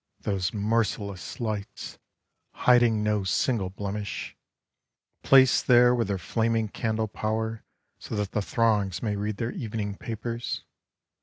Those merciless lights I — hiding no single blemish, Placed there with their flaming candle power So that the throngs may read their evening papers.